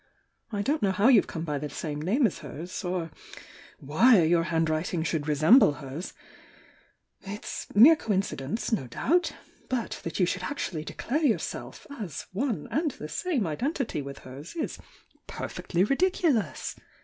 I don't know how you've come by the same name as hers — or why your handwrit ing should resemble hers, — it's mere coincidence, no doubt — but that you should actually declare your self as one and the same identity with hers, is per fectly ridiculous!